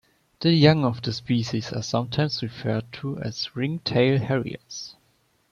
The young of the species are sometimes referred to as ring-tail harriers.